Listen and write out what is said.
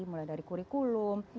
mulai dari kurikulum